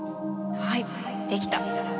はいできた。